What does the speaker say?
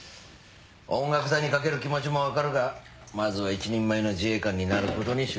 音楽隊に懸ける気持ちも分かるがまずは一人前の自衛官になることに集中しろよ。